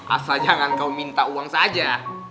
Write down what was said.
asal jangan kau minta uang saja